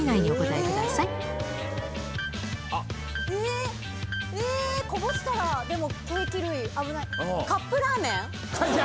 えー、こぼしたら、でも計器類、危ない、カップラーメン？